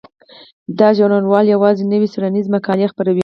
دا ژورنال یوازې نوې څیړنیزې مقالې خپروي.